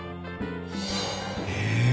へえ！